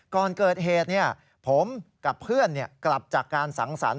ก่อนเกิดเหตุเนี่ยผมกับเพื่อนเนี่ยกลับจากการสังสรร